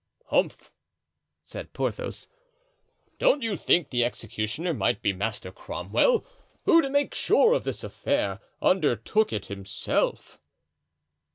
"Humph!" said Porthos. "Don't you think the executioner might be Master Cromwell, who, to make sure of this affair, undertook it himself?"